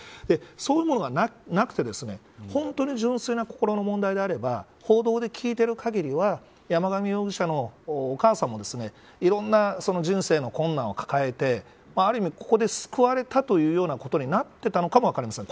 そういうものがなくて本当に純粋な心の問題であれば報道で聞いている限りは山上容疑者のお母さんもいろんな人生の困難を抱えてある意味、ここで救われたというようなことになっていたのかも分かりません。